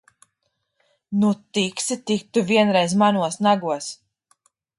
Nu, tiksi tik tu vienreiz manos nagos!